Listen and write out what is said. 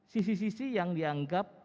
sisi sisi yang dianggap